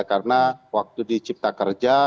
karena waktu dicipta kerja